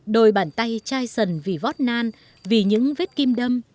đôi bàn tay chai sần vì vót nan vì những vết kim đâm